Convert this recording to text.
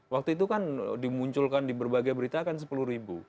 waktu itu kan dimunculkan di berbagai berita kan sepuluh ribu